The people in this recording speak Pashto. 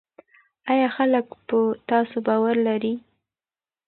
آیا خلک په تاسو باور لري؟